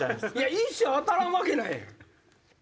一生当たらんわけないやん！